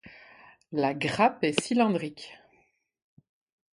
La grappe est cylindrique.